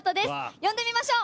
呼んでみましょう。